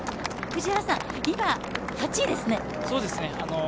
藤原さん、今８位ですね。